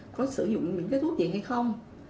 có sử dụng miễn phí thuốc gì hay không